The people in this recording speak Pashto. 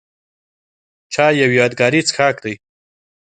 چای یو یادګاري څښاک دی.